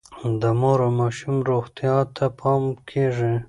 د مور او ماشوم روغتیا ته پام کیږي.